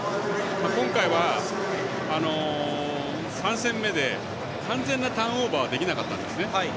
今回は３戦目で完全なターンオーバーはできなかったんですね。